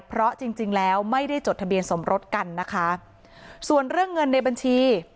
เพราะจริงจริงแล้วไม่ได้จดทะเบียนสมรสกันนะคะส่วนเรื่องเงินในบัญชี